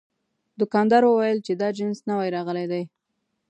دوکاندار وویل چې دا جنس نوي راغلي دي.